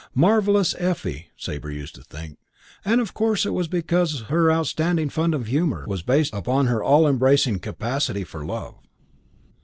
Marvellous Effie! Sabre used to think; and of course it was because her astounding fund of humour was based upon her all embracing capacity for love.